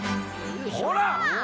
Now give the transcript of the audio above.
ほら！